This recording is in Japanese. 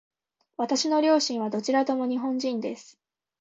私の両親はどちらとも日本人です。